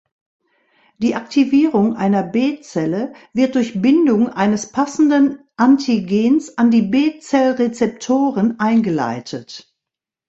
Die Aktivierung einer B-Zelle wird durch Bindung eines passenden Antigens an die B-Zell-Rezeptoren eingeleitet.